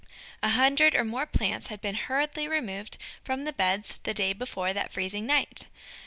A hundred or more plants had been hurriedly removed from the beds the day before that freezing night!